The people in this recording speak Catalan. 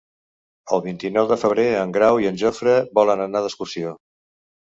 El vint-i-nou de febrer en Grau i en Jofre volen anar d'excursió.